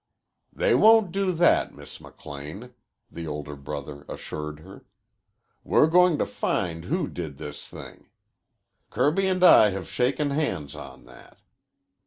"They won't do that, Miss McLean," the older brother assured her. "We're going to find who did this thing. Kirby and I have shaken hands on that.